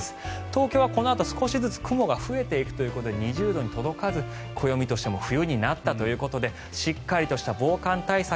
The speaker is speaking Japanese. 東京はこのあと、少しずつ雲が増えていくということで２０度に届かず、暦としても冬になったということでしっかりとした防寒対策